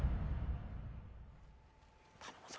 頼むぞ。